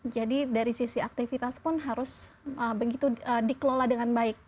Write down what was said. jadi dari sisi aktivitas pun harus dikelola dengan baik